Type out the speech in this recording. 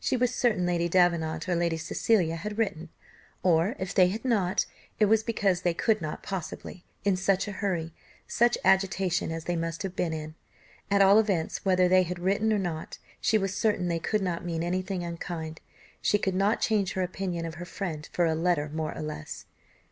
She was certain Lady Davenant or Lady Cecilia had written; or, if they had not, it was because they could not possibly, in such a hurry, such agitation as they must have been in. At all events, whether they had written or not, she was certain they could not mean anything unkind; she could not change her opinion of her friend for a letter more or less.